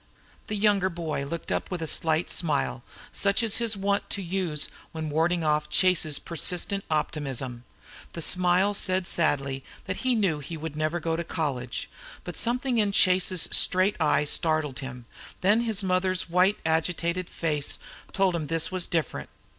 The younger boy looked up with a slight smile, such as he was wont to use in warding off Chase's persistent optimism. The smile said sadly that he knew he would never go to college. But something in Chase's straight eye startled him, then his mother's white, agitated face told him this was different.